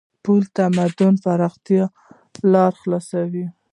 پُل د تمدن د پراختیا لار خلاصوي.